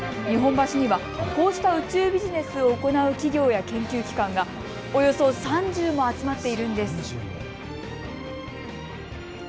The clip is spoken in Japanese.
日本橋にはこうした宇宙ビジネスを行う企業や研究機関がおよそ３０も集まっているんです。